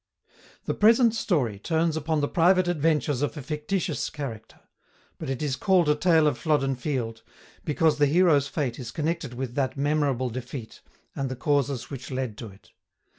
The present story turns upon the private adventures of a fictitious character; but is called a Tale of Flodden Field, because the hero's fate is connected with that memorable defeat, and the causes which led to it.